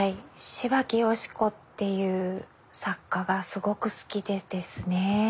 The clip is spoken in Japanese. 芝木好子っていう作家がすごく好きでですね。